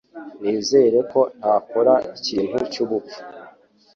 Nizere ko ntakora ikintu cyubupfu